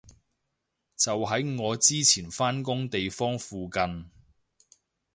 就喺我之前返工地方附近